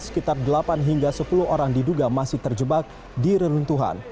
sekitar delapan hingga sepuluh orang diduga masih terjebak di reruntuhan